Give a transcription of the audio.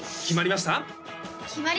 決まりました！